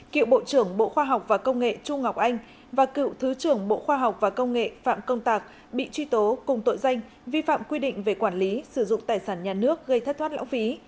cựu bộ trưởng bộ khoa học và công nghệ trung ngọc anh và cựu thứ trưởng bộ khoa học và công nghệ phạm công tạc bị truy tố cùng tội danh vi phạm quy định về quản lý sử dụng tài sản nhà nước gây thất thoát lão phí